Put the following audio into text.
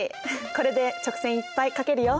これで直線いっぱい書けるよ。